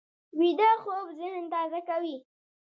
ویده خوب ذهن تازه کوي